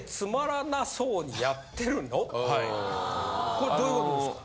これどういう事ですか？